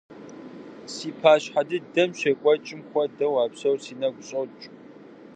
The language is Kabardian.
Си пащхьэ дыдэм щекӀуэкӀым хуэдэу а псор си нэгу щӀокӀ.